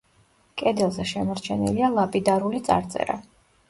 კედელზე შემორჩენილია ლაპიდარული წარწერა.